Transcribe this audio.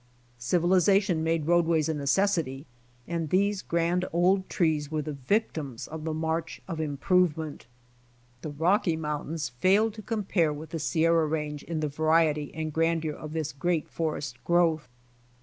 Civilization made roadways a necessity, and these grand old trees were the victims of the march of improvement. The Rocky mountains failed to com 124 BY ox TEAM TO CALIFORNIA pare with the Sierra range in the variety and grandeur of this great forest growth.